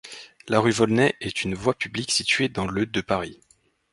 La rue Volney est une voie publique située dans le de Paris.